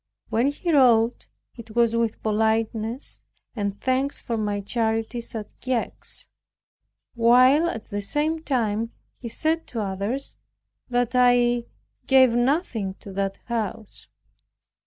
When he wrote, it was with politeness and thanks for my charities at Gex; while at the same time he said to others that I "gave nothing to that house."